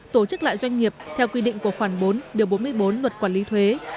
tổ chức lại doanh nghiệp theo quy định của khoản bốn điều bốn mươi bốn luật quản lý thuế